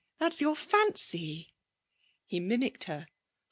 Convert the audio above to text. That's your fancy!' He mimicked her.